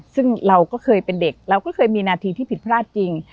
ซึ่งเราก็เคยเป็นเด็กเราก็เคยมีนาทีที่ผิดพลาดจริง